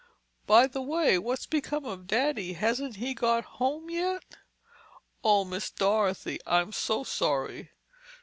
"By the way, what's become of Daddy? Hasn't he got home yet?" "Oh, Miss Dorothy, I'm so sorry.